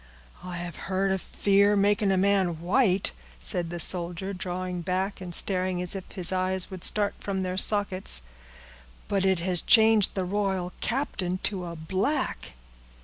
"I have heard of fear making a man white," said the soldier, drawing back, and staring as if his eyes would start from their sockets, "but it has changed the royal captain to a black!"